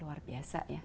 luar biasa ya